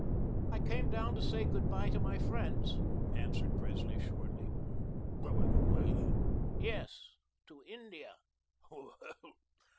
"I came down to say good bye to my friends," answered Presley shortly. "Going away?" "Yes to India."